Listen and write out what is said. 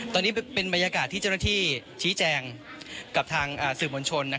ตอนนี้เป็นบรรยากาศที่เจ้าหน้าที่ชี้แจงกับทางสื่อมวลชน